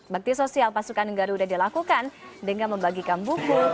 bakti sosial pasukan garuda dilakukan dengan membagikan buku